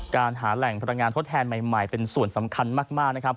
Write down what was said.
การหาแหล่งพลังงานทดแทนใหม่เป็นส่วนสำคัญมากนะครับ